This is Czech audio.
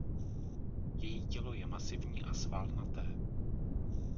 Její tělo je masivní a svalnaté.